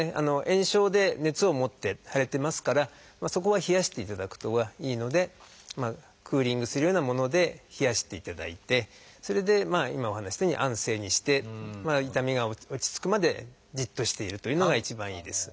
炎症で熱を持って腫れてますからそこは冷やしていただくのがいいのでクーリングするようなもので冷やしていただいてそれで今お話ししたように安静にして痛みが落ち着くまでじっとしているというのが一番いいです。